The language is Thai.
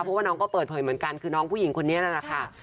เพราะว่าน้องก็เปิดเผยเหมือนกันคือน้องผู้หญิงคนนี้นั่นแหละค่ะ